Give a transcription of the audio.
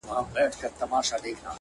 کلونه وسول دا وايي چي نه ځم اوس به راسي;